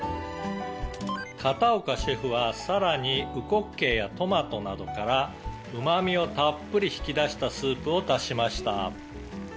「片岡シェフはさらにうこっけいやトマトなどからうまみをたっぷり引き出したスープを足しました」